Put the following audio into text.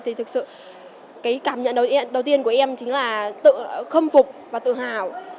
thì thực sự cái cảm nhận đầu tiên của em chính là tự khâm phục và tự hào